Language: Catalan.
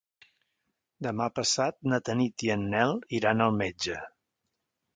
Demà passat na Tanit i en Nel iran al metge.